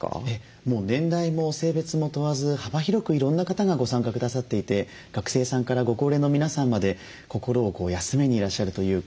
もう年代も性別も問わず幅広くいろんな方がご参加くださっていて学生さんからご高齢の皆さんまで心を休めにいらっしゃるというか。